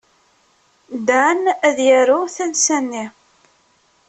Dan ad yaru tansa-nni.